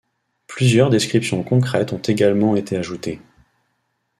Plusieurs descriptions concrètes ont également été ajoutées.